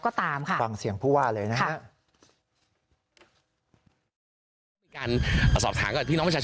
ก็ตามค่ะ